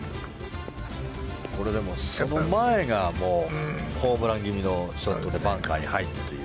これはその前がホームラン気味のショットでバンカーに入ってという。